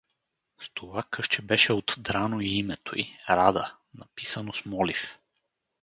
С това късче беше отдрано и името й: Рада, написано с молив.